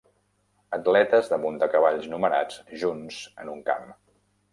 Atletes damunt de cavalls numerats junts en un camp.